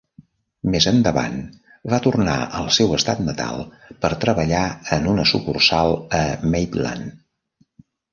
Més endavant va tornar al seu estat natal per treballar en una sucursal a Maitland.